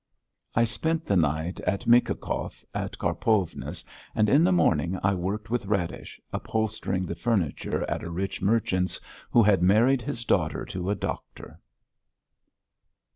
I spent the night at Mikhokhov, at Karpovna's, and in the morning I worked with Radish, upholstering the furniture at a rich merchant's, who had married his daughter to a doctor.